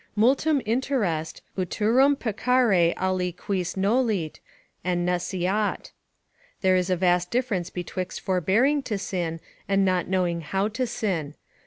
"Multum interest, utrum peccare ali quis nolit, an nesciat." ["There is a vast difference betwixt forbearing to sin, and not knowing how to sin."